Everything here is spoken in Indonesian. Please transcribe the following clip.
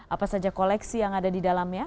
apa saja koleksi yang ada di dalamnya